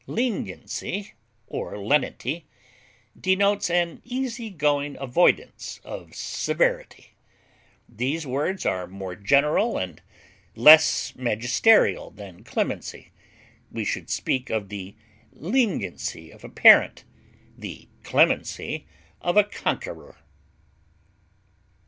Leniency or lenity denotes an easy going avoidance of severity; these words are more general and less magisterial than clemency; we should speak of the leniency of a parent, the clemency of a conqueror.